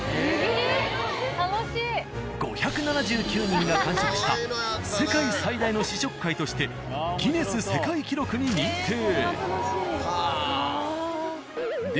５７９人が完食した世界最大の試食会としてギネス世界記録に認定。